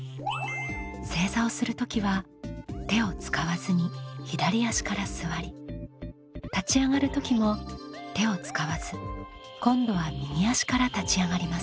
正座をする時は手を使わずに左足から座り立ち上がる時も手を使わず今度は右足から立ち上がります。